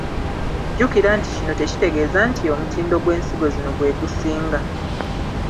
Jjukira nti kino tekitegeeza nti omutindo gw’ensigo zino gwe gusinga.